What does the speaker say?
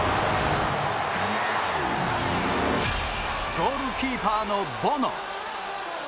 ゴールキーパーのボノ。